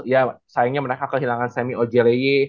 ya sayangnya mereka kehilangan semmy ogierleye